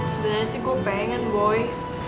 sebenernya sih gua pengen boy